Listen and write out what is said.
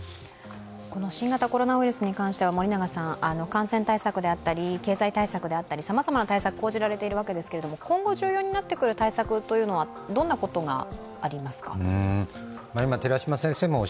新型コロナウイルスに関しては、感染対策であったり経済対策であったり、さまざまな対策、講じられていますが今後、重要になってくる対策というのはどんなことがありますか？